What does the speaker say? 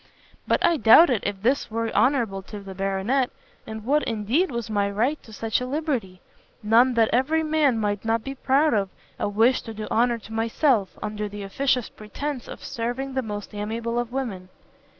But I doubted if this were honourable to the Baronet, and what, indeed, was my right to such a liberty? none that every man might not be proud of, a wish to do honour to myself, under the officious pretence of serving the most amiable of women."